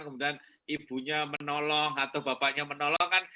kemudian ibunya menolong atau bapaknya menolong kan